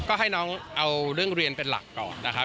ก็ให้น้องเอาเรื่องเรียนเป็นหลักก่อนนะครับ